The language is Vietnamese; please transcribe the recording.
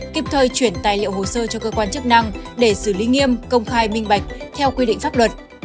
kịp thời chuyển tài liệu hồ sơ cho cơ quan chức năng để xử lý nghiêm công khai minh bạch theo quy định pháp luật